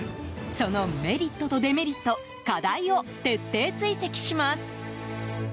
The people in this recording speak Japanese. そのメリットとデメリット課題を徹底追跡します。